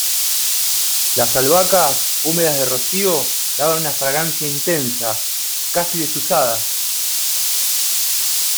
las albahacas, húmedas de rocío , daban una fragancia intensa , casi desusada